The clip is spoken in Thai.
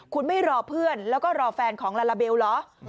คุณไม่รอเพื่อนแล้วก็รอแฟนของลาลาเบลเหรอ